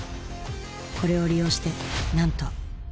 これを利用してなんと。